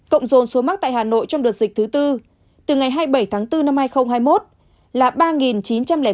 cộng dồn số mắc tại hà nội trong đợt dịch thứ tư từ ngày hai mươi bảy tháng bốn năm hai nghìn hai mươi một là ba chín trăm linh ba người